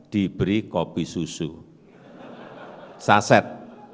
diberi kopi susu saset